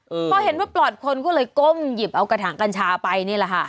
พอเห็นว่าปลอดคนก็เลยก้มหยิบเอากระถางกัญชาไปนี่แหละค่ะ